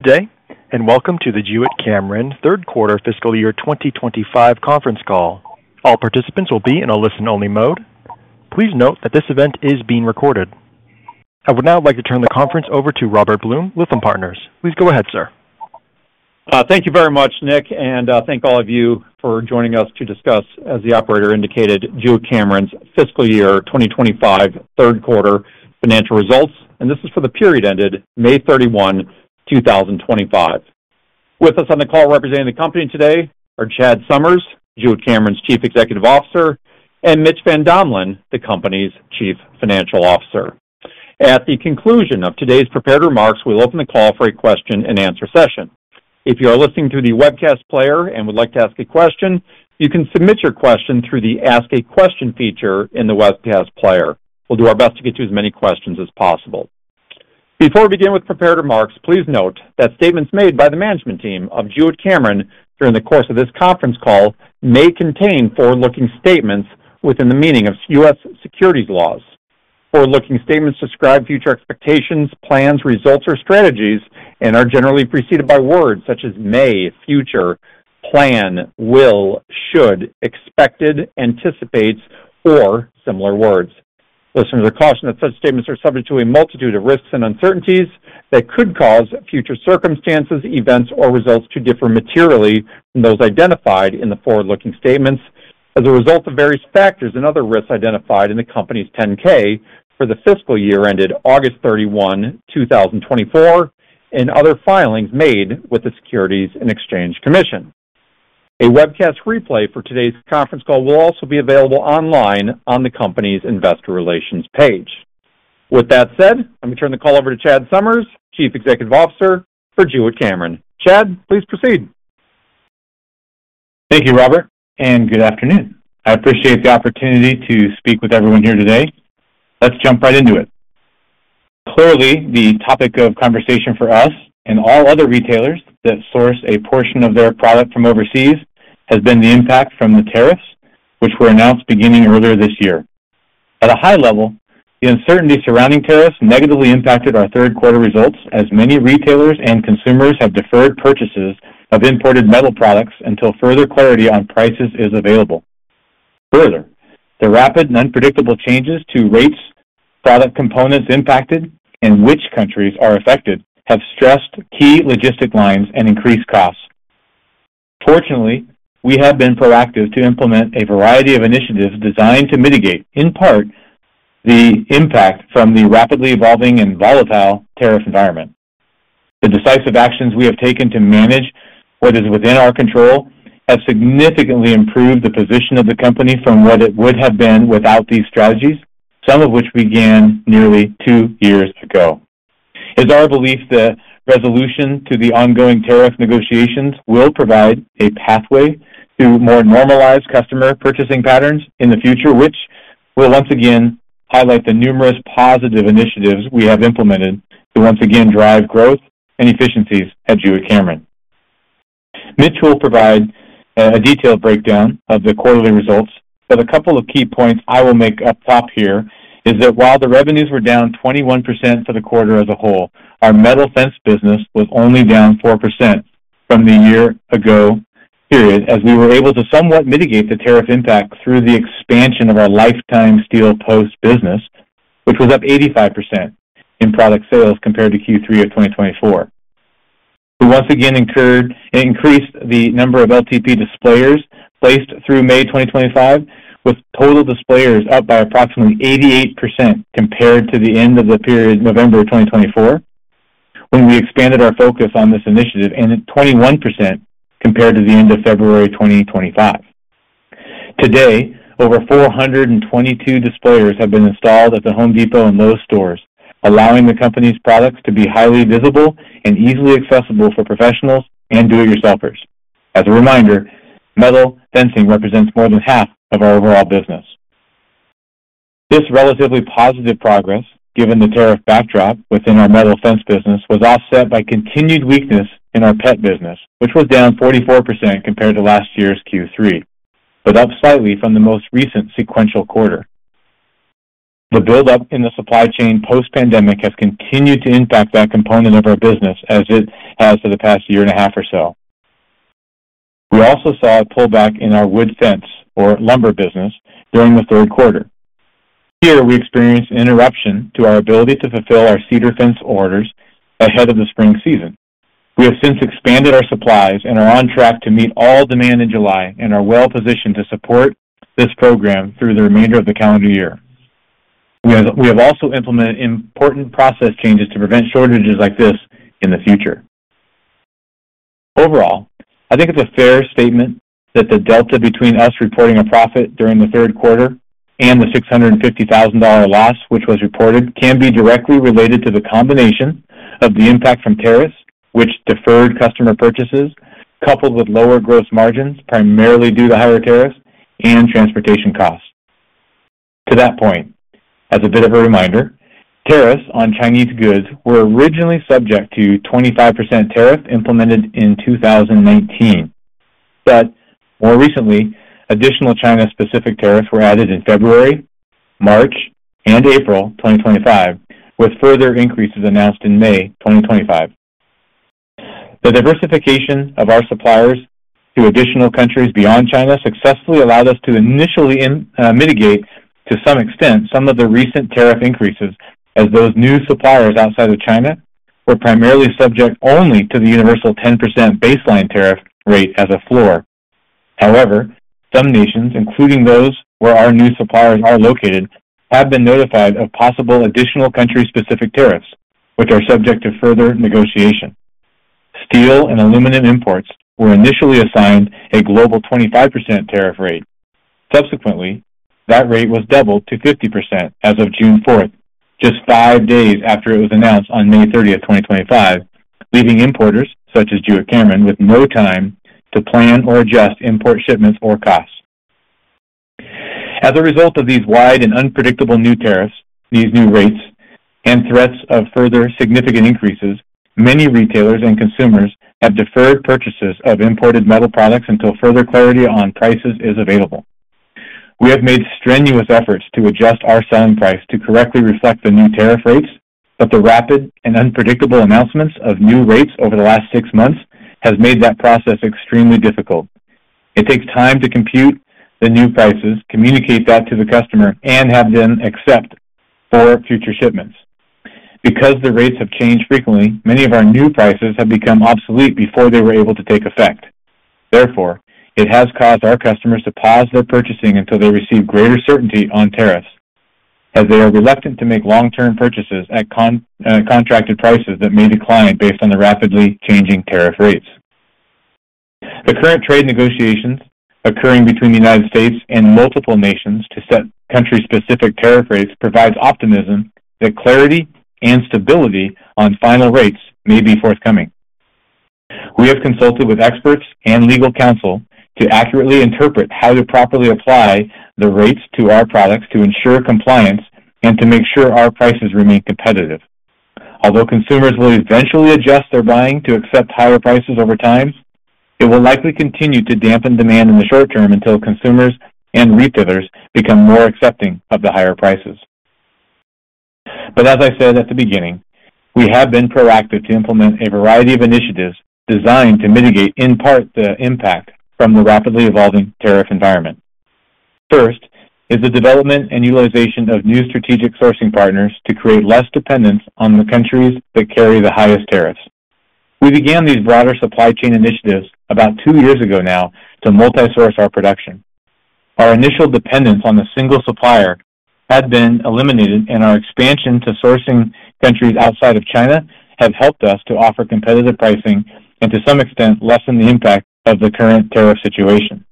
Today, and welcome to the Jewett-Cameron Third Quarter Fiscal Year 2025 Conference Call. All participants will be in a listen-only mode. Please note that this event is being recorded. I would now like to turn the conference over to Robert Blum, Lytham Partners. Please go ahead, sir. Thank you very much, Nick, and thank all of you for joining us to discuss, as the operator indicated, Jewett-Cameron's Fiscal Year 2025 Third Quarter financial results. This is for the period ended May 31, 2025. With us on the call representing the company today are Chad Summers, Jewett-Cameron's Chief Executive Officer, and Mitch VanDomelen, the company's Chief Financial Officer. At the conclusion of today's prepared remarks, we'll open the call for a question-and-answer session. If you are listening through the webcast player and would like to ask a question, you can submit your question through the Ask a Question feature in the webcast player. We'll do our best to get to as many questions as possible. Before we begin with prepared remarks, please note that statements made by the management team of Jewett-Cameron during the course of this conference call may contain forward-looking statements within the meaning of U.S. securities laws. Forward-looking statements describe future expectations, plans, results, or strategies and are generally preceded by words such as may, future, plan, will, should, expected, anticipate, or similar words. Listeners are cautioned that such statements are subject to a multitude of risks and uncertainties that could cause future circumstances, events, or results to differ materially from those identified in the forward-looking statements as a result of various factors and other risks identified in the company's 10-K for the fiscal year ended August 31, 2024, and other filings made with the Securities and Exchange Commission. A webcast replay for today's conference call will also be available online on the company's Investor Relations page. With that said, I'm going to turn the call over to Chad Summers, Chief Executive Officer for Jewett-Cameron. Chad, please proceed. Thank you, Robert, and good afternoon. I appreciate the opportunity to speak with everyone here today. Let's jump right into it. Clearly, the topic of conversation for us and all other retailers that source a portion of their product from overseas has been the impact from the tariffs, which were announced beginning earlier this year. At a high level, the uncertainty surrounding tariffs negatively impacted our third quarter results, as many retailers and consumers have deferred purchases of imported metal products until further clarity on prices is available. Further, the rapid and unpredictable changes to rates, product components impacted, and which countries are affected have stressed key logistic lines and increased costs. Fortunately, we have been proactive to implement a variety of initiatives designed to mitigate, in part, the impact from the rapidly evolving environmental tariff environment. The decisive actions we have taken to manage what is within our control have significantly improved the position of the company from what it would have been without these strategies, some of which began nearly two years ago. It is our belief that resolution to the ongoing tariff negotiations will provide a pathway to more normalized customer purchasing patterns in the future, which will once again highlight the numerous positive initiatives we have implemented to once again drive growth and efficiencies at Jewett-Cameron. Mitch will provide a detailed breakdown of the quarterly results, but a couple of key points I will make up top here is that while the revenues were down 21% for the quarter as a whole, our metal fence business was only down 4% from the year ago period, as we were able to somewhat mitigate the tariff impact through the expansion of our Lifetime Steel Post business, which was up 85% in product sales compared to Q3 of 2024. We once again increased the number of LTP displayers placed through May 2025, with total displayers up by approximately 88% compared to the end of the period of November 2024, when we expanded our focus on this initiative and at 21% compared to the end of February 2025. Today, over 422 displayers have been installed at the Home Depot and most stores, allowing the company's products to be highly visible and easily accessible for professionals and do-it-yourselfers. As a reminder, metal fencing represents more than half of our overall business. This relatively positive progress, given the tariff backdrop within our metal fence business, was offset by continued weakness in our pet business, which was down 44% compared to last year's Q3, but up slightly from the most recent sequential quarter. The buildup in the supply chain post-pandemic has continued to impact that component of our business, as it has for the past year and a half or so. We also saw a pullback in our wood fence or lumber business during the third quarter. Here, we experienced an interruption to our ability to fulfill our cedar fence orders ahead of the spring season. We have since expanded our supplies and are on track to meet all demand in July and are well positioned to support this program through the remainder of the calendar year. We have also implemented important process changes to prevent shortages like this in the future. Overall, I think it's a fair statement that the delta between us reporting a profit during the third quarter and the $650,000 loss which was reported can be directly related to the combination of the impact from tariffs, which deferred customer purchases, coupled with lower gross margins primarily due to higher tariffs and transportation costs. To that point, as a bit of a reminder, tariffs on Chinese goods were originally subject to a 25% tariff implemented in 2019, but more recently, additional China-specific tariffs were added in February, March, and April 2025, with further increases announced in May 2025. The diversification of our suppliers to additional countries beyond China successfully allowed us to initially mitigate, to some extent, some of the recent tariff increases, as those new suppliers outside of China were primarily subject only to the universal 10% baseline tariff rate as a floor. However, some nations, including those where our new suppliers are located, have been notified of possible additional country-specific tariffs, which are subject to further negotiation. Steel and aluminum imports were initially assigned a global 25% tariff rate. Subsequently, that rate was doubled to 50% as of June 4, just five days after it was announced on May 30, 2025, leaving importers such as Jewett-Cameron with no time to plan or adjust import shipments or costs. As a result of these wide and unpredictable new tariffs, these new rates, and threats of further significant increases, many retailers and consumers have deferred purchases of imported metal products until further clarity on prices is available. We have made strenuous efforts to adjust our selling price to correctly reflect the new tariff rates, but the rapid and unpredictable announcements of new rates over the last six months have made that process extremely difficult. It takes time to compute the new prices, communicate that to the customer, and have them accept for future shipments. Because the rates have changed frequently, many of our new prices have become obsolete before they were able to take effect. Therefore, it has caused our customers to pause their purchasing until they receive greater certainty on tariffs, as they are reluctant to make long-term purchases at contracted prices that may decline based on the rapidly changing tariff rates. The current trade negotiations occurring between the United States and multiple nations to set country-specific tariff rates provide optimism that clarity and stability on final rates may be forthcoming. We have consulted with experts and legal counsel to accurately interpret how to properly apply the rates to our products to ensure compliance and to make sure our prices remain competitive. Although consumers will eventually adjust their buying to accept higher prices over time, it will likely continue to dampen demand in the short term until consumers and retailers become more accepting of the higher prices. As I said at the beginning, we have been proactive to implement a variety of initiatives designed to mitigate, in part, the impact from the rapidly evolving tariff environment. First is the development and utilization of new strategic sourcing partners to create less dependence on the countries that carry the highest tariffs. We began these broader supply chain initiatives about two years ago now to multi-source our production. Our initial dependence on a single supplier had been eliminated, and our expansion to sourcing countries outside of China has helped us to offer competitive pricing and, to some extent, lessen the impact of the current tariff situation.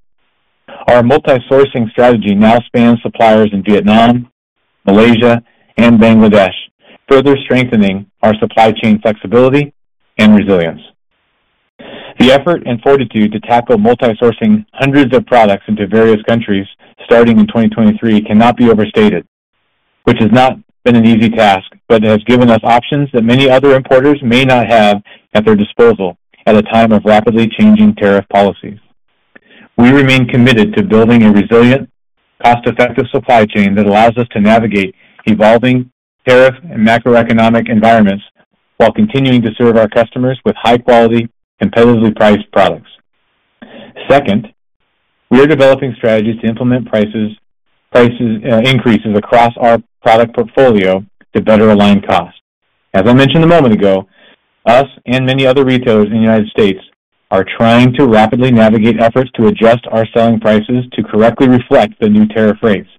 Our multi-sourcing strategy now spans suppliers in Vietnam, Malaysia, and Bangladesh, further strengthening our supply chain flexibility and resilience. The effort and fortitude to tackle multi-sourcing hundreds of products into various countries starting in 2023 cannot be overstated, which has not been an easy task, but has given us options that many other importers may not have at their disposal at a time of rapidly changing tariff policies. We remain committed to building a resilient, cost-effective supply chain that allows us to navigate evolving tariff and macroeconomic environments while continuing to serve our customers with high-quality, competitively priced products. Second, we are developing strategies to implement price increases across our product portfolio to better align costs. As I mentioned a moment ago, us and many other retailers in the United States are trying to rapidly navigate efforts to adjust our selling prices to correctly reflect the new tariff rates,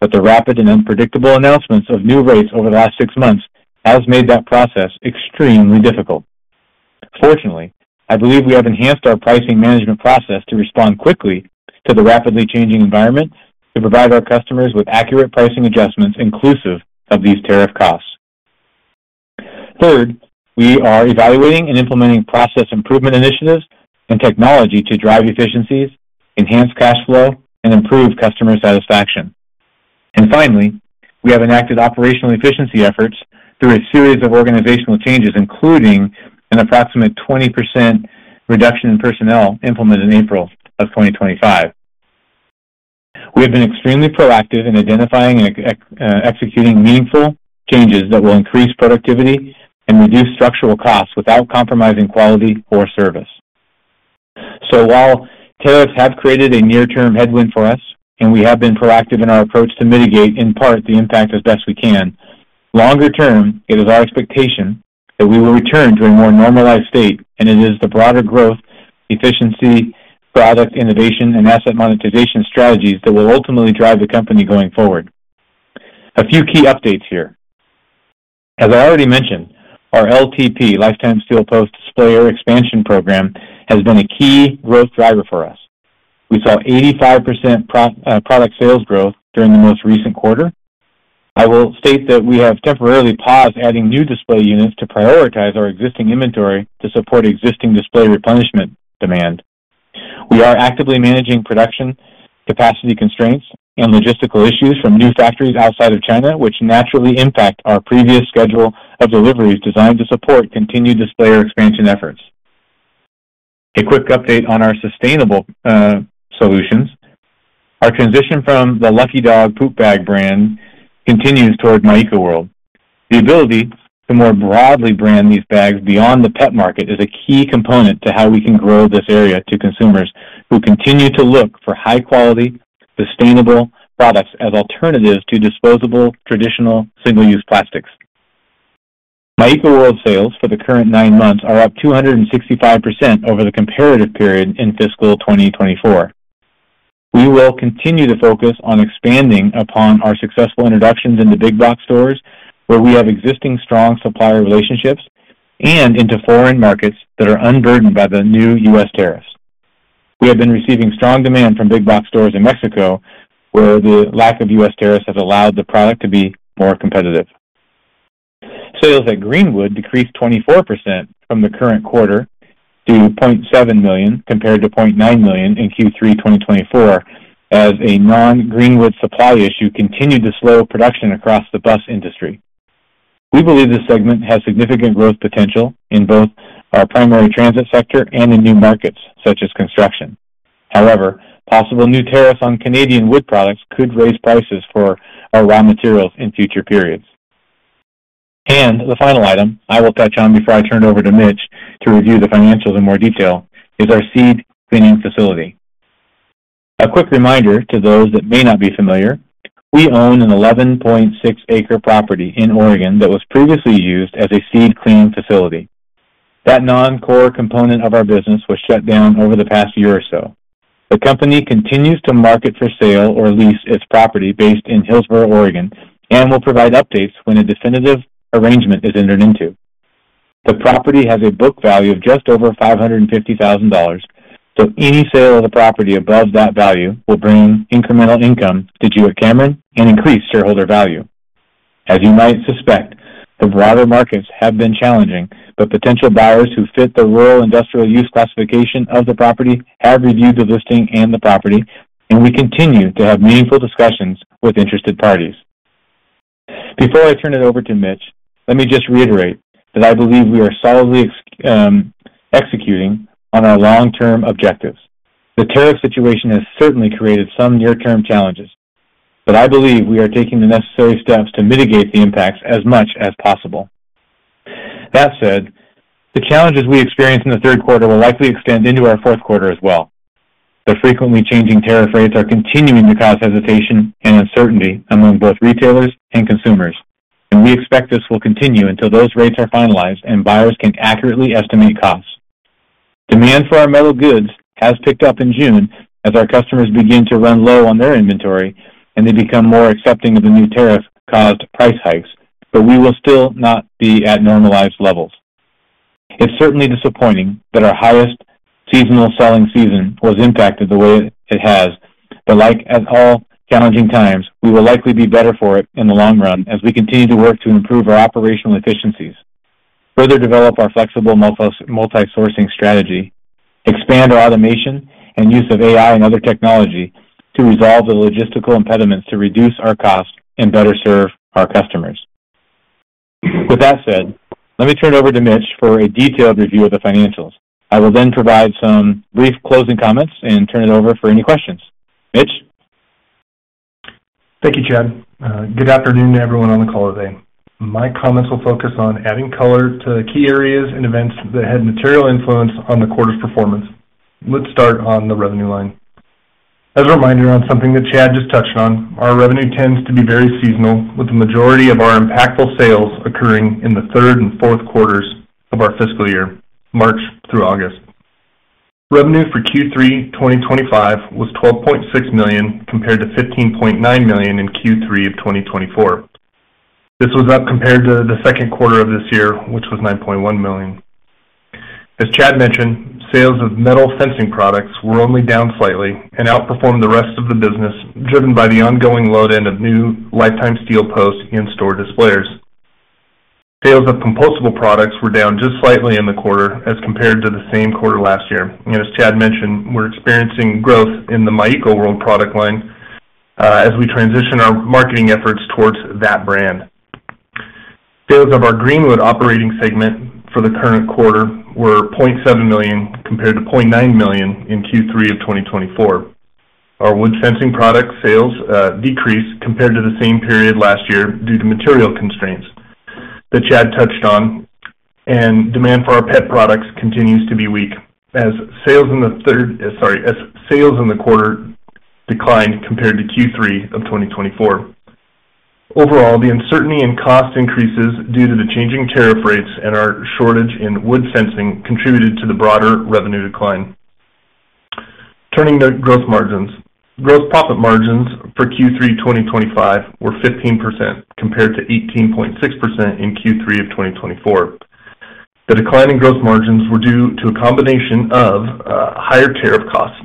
but the rapid and unpredictable announcements of new rates over the last six months have made that process extremely difficult. Fortunately, I believe we have enhanced our pricing management process to respond quickly to the rapidly changing environment to provide our customers with accurate pricing adjustments inclusive of these tariff costs. Third, we are evaluating and implementing process improvement initiatives and technology to drive efficiencies, enhance cash flow, and improve customer satisfaction. Finally, we have enacted operational efficiency efforts through a series of organizational changes, including an approximate 20% reduction in personnel implemented in April of 2025. We have been extremely proactive in identifying and executing meaningful changes that will increase productivity and reduce structural costs without compromising quality or service. While tariffs have created a near-term headwind for us, and we have been proactive in our approach to mitigate, in part, the impact as best we can, longer term, it is our expectation that we will return to a more normalized state, and it is the broader growth, efficiency, product innovation, and asset monetization strategies that will ultimately drive the company going forward. A few key updates here. As I already mentioned, our LTP, Lifetime Steel Post Displayer Expansion Program, has been a key growth driver for us. We saw 85% product sales growth during the most recent quarter. I will state that we have temporarily paused adding new display units to prioritize our existing inventory to support existing display replenishment demand. We are actively managing production capacity constraints and logistical issues from new factories outside of China, which naturally impact our previous schedule of deliveries designed to support continued displayer expansion efforts. A quick update on our sustainable solutions. Our transition from the Lucky Dog Poop Bag brand continues towards Myeco World. The ability to more broadly brand these bags beyond the pet market is a key component to how we can grow this area to consumers who continue to look for high-quality, sustainable products as alternatives to disposable, traditional single-use plastics. Myeco World sales for the current nine months are up 265% over the comparative period in fiscal 2024. We will continue to focus on expanding upon our successful introductions into big box stores where we have existing strong supplier relationships and into foreign markets that are unburdened by the new U.S. tariffs. We have been receiving strong demand from big box stores in Mexico, where the lack of U.S. tariffs has allowed the product to be more competitive. Sales at Greenwood decreased 24% from the current quarter to $0.7 million compared to $0.9 million in Q3 2024, as a non-Greenwood supply issue continued to slow production across the bus industry. We believe this segment has significant growth potential in both our primary transit sector and in new markets such as construction. However, possible new tariffs on Canadian wood products could raise prices for our raw materials in future periods. The final item I will touch on before I turn it over to Mitch to review the financials in more detail is our seed cleaning facility. A quick reminder to those that may not be familiar, we own an 11.6-acre property in Oregon that was previously used as a seed cleaning facility. That non-core component of our business was shut down over the past year or so. The company continues to market for sale or lease its property based in Hillsboro, Oregon, and will provide updates when a definitive arrangement is entered into. The property has a book value of just over $550,000, so any sale of the property above that value will bring incremental income to Jewett-Cameron and increase shareholder value. As you might suspect, the broader markets have been challenging, but potential buyers who fit the rural industrial use classification of the property have reviewed the listing and the property, and we continue to have meaningful discussions with interested parties. Before I turn it over to Mitch, let me just reiterate that I believe we are solidly executing on our long-term objectives. The tariff situation has certainly created some near-term challenges, but I believe we are taking the necessary steps to mitigate the impacts as much as possible. That said, the challenges we experienced in the third quarter will likely extend into our fourth quarter as well. The frequently changing tariff rates are continuing to cause hesitation and uncertainty among both retailers and consumers, and we expect this will continue until those rates are finalized and buyers can accurately estimate costs. Demand for our metal goods has picked up in June as our customers begin to run low on their inventory and they become more accepting of the new tariff-caused price hikes, but we will still not be at normalized levels. It is certainly disappointing that our highest seasonal selling season was impacted the way it has, but like at all challenging times, we will likely be better for it in the long run as we continue to work to improve our operational efficiencies, further develop our flexible multi-sourcing strategy, expand our automation and use of AI and other technology to resolve the logistical impediments to reduce our costs and better serve our customers. With that said, let me turn it over to Mitch for a detailed review of the financials. I will then provide some brief closing comments and turn it over for any questions. Mitch? Thank you, Chad. Good afternoon to everyone on the call today. My comments will focus on adding color to key areas and events that had material influence on the quarter's performance. Let's start on the revenue line. As a reminder on something that Chad just touched on, our revenue tends to be very seasonal, with the majority of our impactful sales occurring in the third and fourth quarters of our fiscal year, March through August. Revenue for Q3 2025 was $12.6 million compared to $15.9 million in Q3 of 2024. This was up compared to the second quarter of this year, which was $9.1 million. As Chad mentioned, sales of metal fencing products were only down slightly and outperformed the rest of the business, driven by the ongoing load-in of new Lifetime Steel Post and store displayers. Sales of compostable products were down just slightly in the quarter as compared to the same quarter last year, and as Chad mentioned, we're experiencing growth in the Myeco World product line as we transition our marketing efforts towards that brand. Sales of our Greenwood operating segment for the current quarter were $0.7 million compared to $0.9 million in Q3 of 2024. Our wood fencing product sales decreased compared to the same period last year due to material constraints that Chad touched on, and demand for our pet products continues to be weak as sales in the quarter declined compared to Q3 of 2024. Overall, the uncertainty in cost increases due to the changing tariff rates and our shortage in wood fencing contributed to the broader revenue decline. Turning to gross margins, gross profit margins for Q3 2025 were 15% compared to 18.6% in Q3 of 2024. The decline in gross margins was due to a combination of higher tariff costs,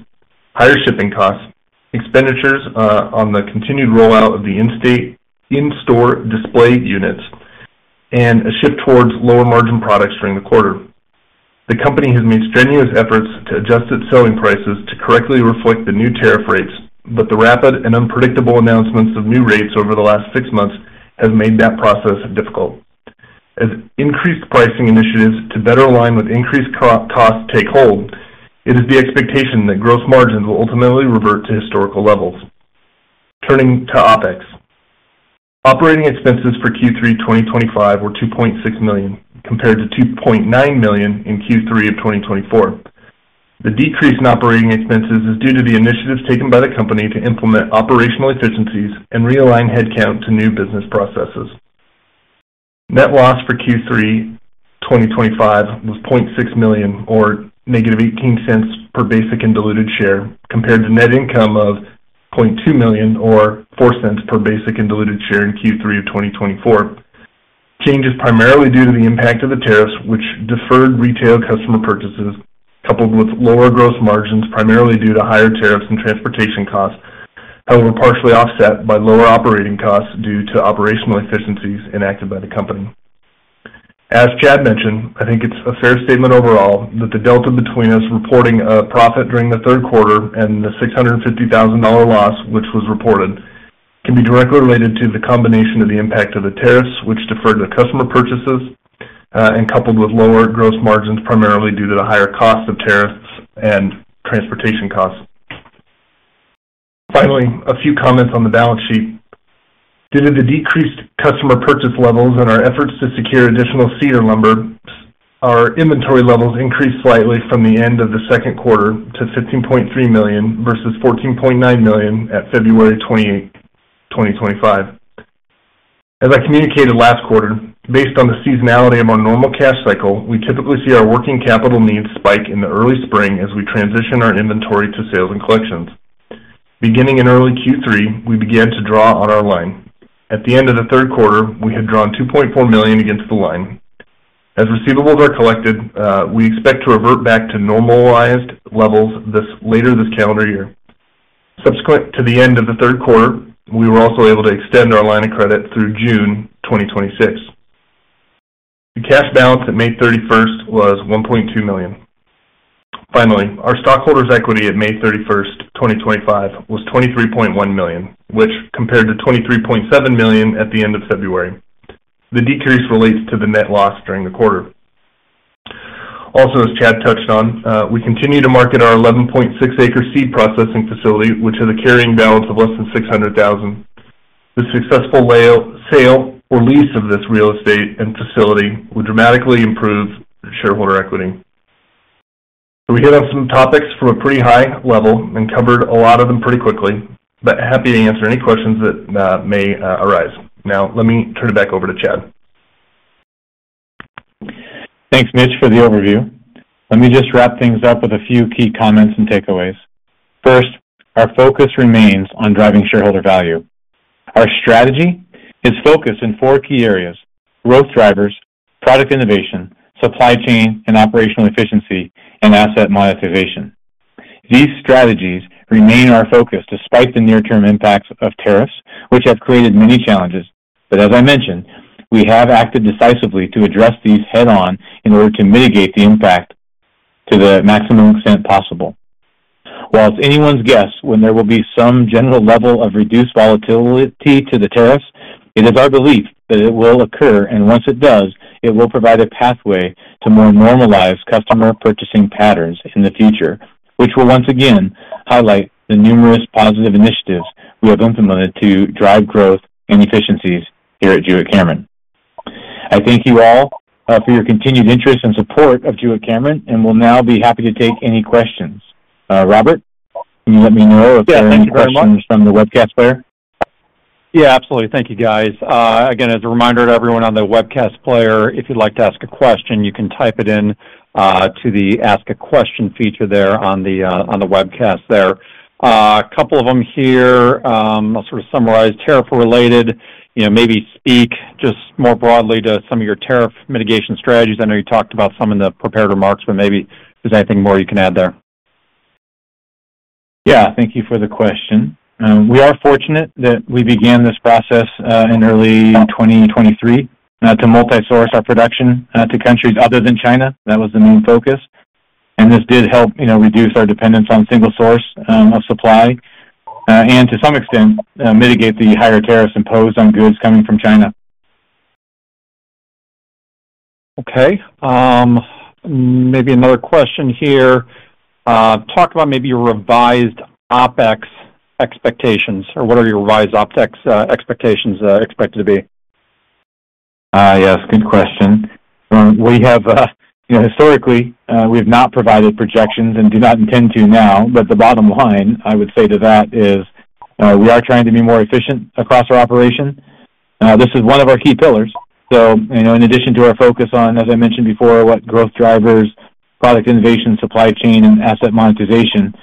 higher shipping costs, expenditures on the continued rollout of the in-store display units, and a shift towards lower margin products during the quarter. The company has made strenuous efforts to adjust its selling prices to correctly reflect the new tariff rates, but the rapid and unpredictable announcements of new rates over the last six months have made that process difficult. As increased pricing initiatives to better align with increased costs take hold, it is the expectation that gross margins will ultimately revert to historical levels. Turning to OpEx, operating expenses for Q3 2025 were $2.6 million compared to $2.9 million in Q3 of 2024. The decrease in operating expenses is due to the initiatives taken by the company to implement operational efficiencies and realign headcount to new business processes. Net loss for Q3 2025 was $0.6 million, or negative $0.18 per basic and diluted share, compared to net income of $0.2 million, or $0.04 per basic and diluted share in Q3 of 2024. Change is primarily due to the impact of the tariffs, which deferred retail customer purchases, coupled with lower gross margins primarily due to higher tariffs and transportation costs, however, partially offset by lower operating costs due to operational efficiencies enacted by the company. As Chad mentioned, I think it's a fair statement overall that the delta between us reporting a profit during the third quarter and the $650,000 loss, which was reported, can be directly related to the combination of the impact of the tariffs, which deferred customer purchases, and coupled with lower gross margins primarily due to the higher cost of tariffs and transportation costs. Finally, a few comments on the balance sheet. Due to the decreased customer purchase levels and our efforts to secure additional cedar lumber, our inventory levels increased slightly from the end of the second quarter to $15.3 million versus $14.9 million at February 28, 2025. As I communicated last quarter, based on the seasonality of our normal cash cycle, we typically see our working capital needs spike in the early spring as we transition our inventory to sales and collections. Beginning in early Q3, we began to draw on our line. At the end of the third quarter, we had drawn $2.4 million against the line. As receivables are collected, we expect to revert back to normalized levels later this calendar year. Subsequent to the end of the third quarter, we were also able to extend our line of credit through June 2026. The cash balance at May 31st was $1.2 million. Finally, our stockholders' equity at May 31st, 2025, was $23.1 million, which compared to $23.7 million at the end of February. The decrease relates to the net loss during the quarter. Also, as Chad touched on, we continue to market our 11.6-acre seed processing facility, which has a carrying balance of less than $600,000. The successful sale or lease of this real estate and facility would dramatically improve shareholder equity. We hit on some topics from a pretty high level and covered a lot of them pretty quickly, but happy to answer any questions that may arise. Now, let me turn it back over to Chad. Thanks, Mitch, for the overview. Let me just wrap things up with a few key comments and takeaways. First, our focus remains on driving shareholder value. Our strategy is focused in four key areas: growth drivers, product innovation, supply chain, and operational efficiency and asset monetization. These strategies remain our focus despite the near-term impacts of tariffs, which have created many challenges. As I mentioned, we have acted decisively to address these head-on in order to mitigate the impact to the maximum extent possible. While it's anyone's guess when there will be some general level of reduced volatility to the tariffs, it is our belief that it will occur, and once it does, it will provide a pathway to more normalized customer purchasing patterns in the future, which will once again highlight the numerous positive initiatives we have implemented to drive growth and efficiencies here at Jewett-Cameron. I thank you all for your continued interest and support of Jewett-Cameron, and we'll now be happy to take any questions. Robert, can you let me know if you have questions from the webcast player? Yeah, absolutely. Thank you, guys. Again, as a reminder to everyone on the webcast player, if you'd like to ask a question, you can type it into the Ask a Question feature there on the webcast. A couple of them here. I'll sort of summarize tariff-related, you know, maybe speak just more broadly to some of your tariff mitigation strategies. I know you talked about some in the prepared remarks, but maybe there's anything more you can add there. Yeah, thank you for the question. We are fortunate that we began this process in early 2023 to multi-source our production to countries other than China. That was the main focus. This did help reduce our dependence on a single source of supply and, to some extent, mitigate the higher tariffs imposed on goods coming from China. Okay. Maybe another question here. Talk about maybe your revised OpEx expectations, or what are your revised OpEx expectations expected to be? Yes, good question. Historically, we have not provided projections and do not intend to now, but the bottom line I would say to that is we are trying to be more efficient across our operation. This is one of our key pillars. In addition to our focus on, as I mentioned before, growth drivers, product innovation, supply chain, and asset monetization,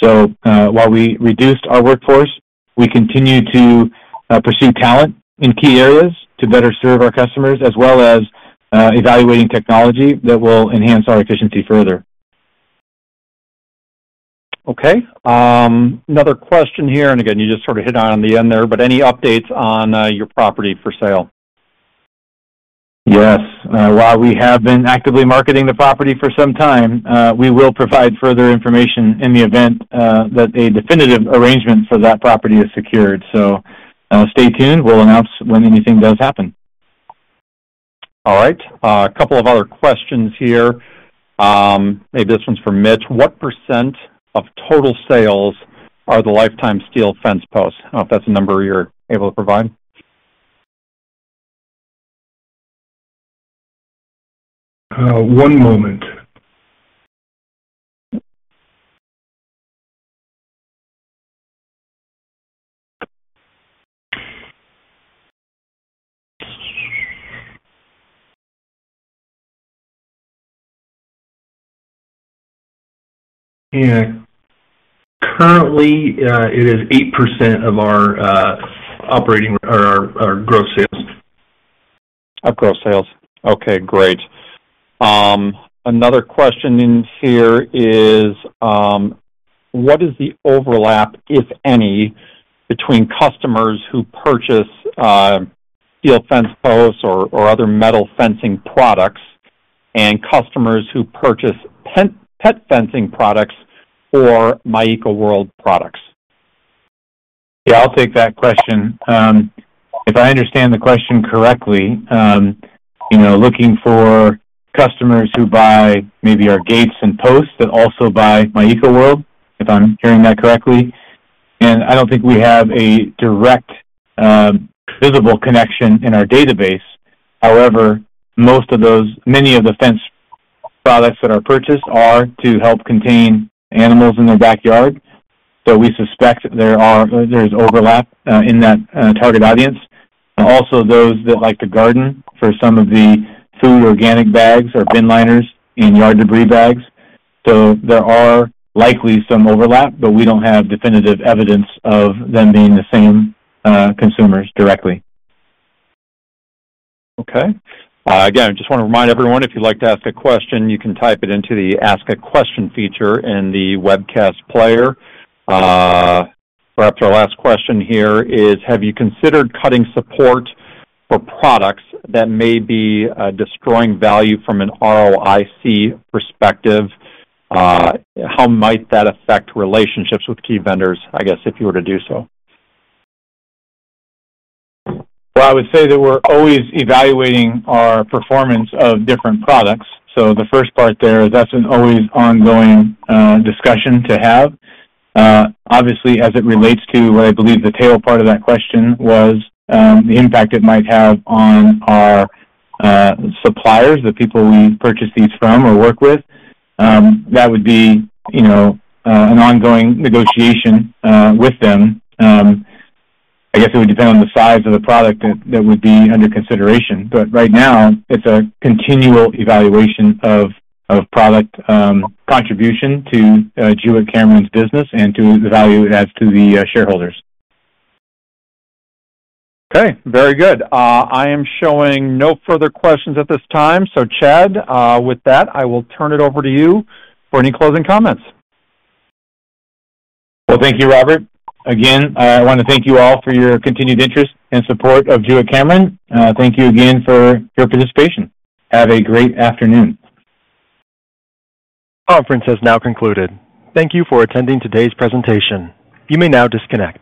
while we reduced our workforce, we continue to pursue talent in key areas to better serve our customers, as well as evaluating technology that will enhance our efficiency further. Okay. Another question here, and again, you just sort of hit on it at the end there, but any updates on your property for sale? Yes. While we have been actively marketing the property for some time, we will provide further information in the event that a definitive arrangement for that property is secured. Stay tuned. We'll announce when anything does happen. All right. A couple of other questions here. Maybe this one's for Mitch. What percent of total sales are the Lifetime Steel fence Post? I don't know if that's a number you're able to provide. One moment. Currently, it is 8% of our operating or our gross sales. Gross sales. Okay, great. Another question in here is, what is the overlap, if any, between customers who purchase fence posts or other metal fencing products and customers who purchase pet fencing products or Myeco World products? I'll take that question. If I understand the question correctly, looking for customers who buy maybe our gates and posts that also buy Myeco World, if I'm hearing that correctly. I don't think we have a direct visible connection in our database. However, most of those, many of the fence products that are purchased are to help contain animals in their backyard. We suspect there is overlap in that target audience. Also, those that like to garden for some of the food organic bags or bin liners and yard debris bags. There are likely some overlap, but we don't have definitive evidence of them being the same consumers directly. Okay. Again, I just want to remind everyone, if you'd like to ask a question, you can type it into the Ask a Question feature in the webcast player. Perhaps our last question here is, have you considered cutting support for products that may be destroying value from an ROIC perspective? How might that affect relationships with key vendors, I guess, if you were to do so? I would say that we're always evaluating our performance of different products. The first part there is that's an always ongoing discussion to have. Obviously, as it relates to what I believe the tail part of that question was, the impact it might have on our suppliers, the people we purchase these from or work with, that would be an ongoing negotiation with them. I guess it would depend on the size of the product that would be under consideration. Right now, it's a continual evaluation of product contribution to Jewett-Cameron's business and to the value it adds to the shareholders. Okay. Very good. I am showing no further questions at this time. Chad, with that, I will turn it over to you for any closing comments. Thank you, Robert. I want to thank you all for your continued interest and support of Jewett-Cameron. Thank you again for your participation. Have a great afternoon. Conference has now concluded. Thank you for attending today's presentation. You may now disconnect.